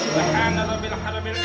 subhanallah bil haramil jadilah